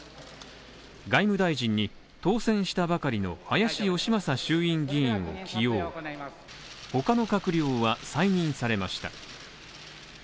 外務大臣に当選したばかりの林芳正衆院議員を起用ほかの閣僚は再任されました。